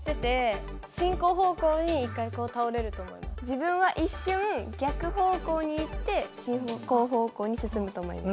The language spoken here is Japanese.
自分は一瞬逆方向に行って進行方向に進むと思います。